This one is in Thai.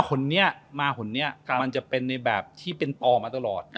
คนนี้มาคนนี้มันจะเป็นในแบบที่เป็นปอมาตลอด